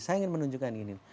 saya ingin menunjukkan begini